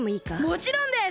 もちろんです！